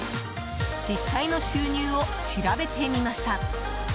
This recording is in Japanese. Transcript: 実際の収入を調べてみました